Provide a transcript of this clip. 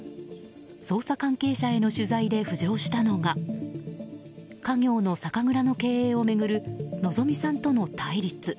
捜査関係者への取材で浮上したのが家業の酒蔵の経営を巡る希美さんとの対立。